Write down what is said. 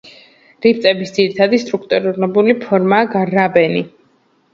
რიფტების ძირითადი სტრუქტურული ფორმაა გრაბენი.